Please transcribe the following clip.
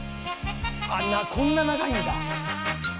こんな長いんだ。